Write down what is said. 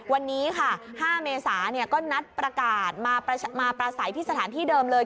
วันนี้ค่ะ๕เมษาก็นัดประกาศมาประสัยที่สถานที่เดิมเลย